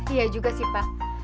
iya juga sih pak